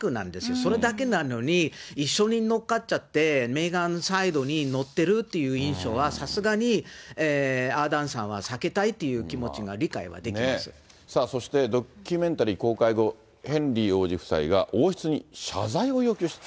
それだけなのに、一緒に乗っかっちゃってメーガンサイドに乗ってるっていう印象は、さすがにアーダーンさんは避けたいっていう気持ちは理解はできまさあそして、ドキュメンタリー公開後、ヘンリー王子夫妻が王室に謝罪を要求。